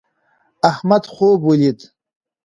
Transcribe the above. احمد خوب ولید